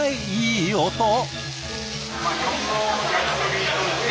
いい音。